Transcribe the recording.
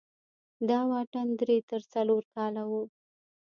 دا واټن درې تر څلور کاله و.